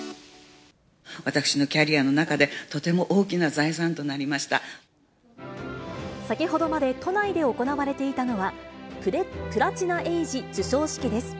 私のキャリアの中で、とても先ほどまで都内で行われていたのは、プラチナエイジ授賞式です。